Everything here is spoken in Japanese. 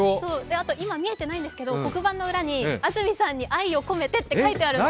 あと、今、見えてないですけど黒板の裏に「安住さんに愛を込めて」って書いてあるんです。